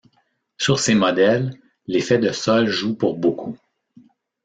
Sur ces modèles, l'effet de sol joue pour beaucoup.